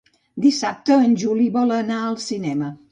Dissabte en Juli vol anar al cinema.